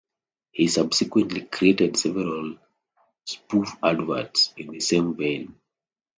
He subsequently created several spoof adverts in the same vein.